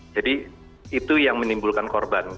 jadi itu yang menimbulkan korban